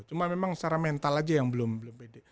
cuma memang secara mental aja yang belum beda